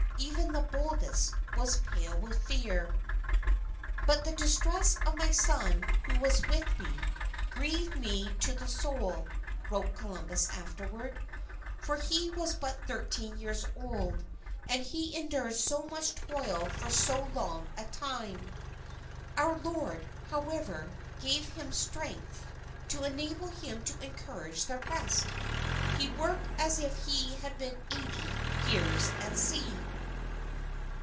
Even the boldest was pale with fear. "But the distress of my son who was with me, grieved me to the soul ..." wrote Columbus afterward, "for he was but thirteen years old, and he enduring so much toil for so long a time. Our Lord, however, gave him strength to enable him to encourage the rest. He worked as if he had been eighty years at sea."